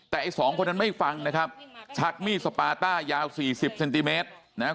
แต่ไอ้สองคนนั้นไม่ฟังนะครับชักมีดสปาต้ายาวสี่สิบเซนติเมตรนะครับ